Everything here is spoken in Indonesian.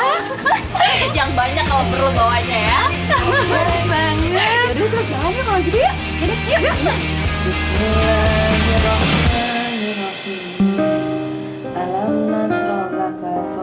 yang banyak kalau perlu bawanya ya